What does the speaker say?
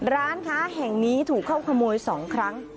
ร้านค้าแห่งนี้ถูกเข้าขโมย๒ครั้ง